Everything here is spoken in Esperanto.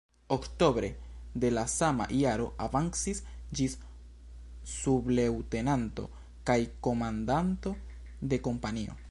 Oktobre de la sama jaro avancis ĝis subleŭtenanto kaj komandanto de kompanio.